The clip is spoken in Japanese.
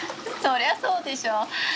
そりゃそうでしょう。